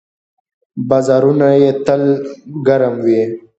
بازارونه یې تل ګرم وي.